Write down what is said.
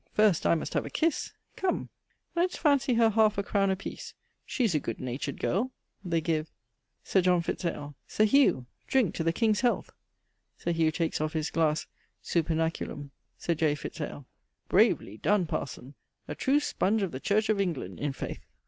]? First, I must have a kisse. Come, let's fancy her 1/2 a crowne a piece. She's a good natured girle. [They give.] [CIV.] Peg, her mayd or daughter. Sir John Fitz ale. Sir Hugh, drink to the king's health. [Sir Hugh takes off his glasse super naculum.] Sir J. Fitz ale. Bravely done, parson! a true spunge of the Church of England, i' faith.